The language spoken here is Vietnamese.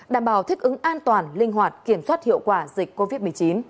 đảm bảo thích ứng an toàn linh hoạt kiểm soát hiệu quả dịch covid một mươi chín